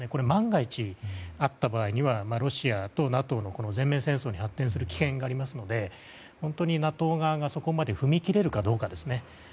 万が一あった場合にはロシアとＮＡＴＯの全面戦争に発展する危険がありますので本当にＮＡＴＯ側がそこまで踏み切れるかどうか。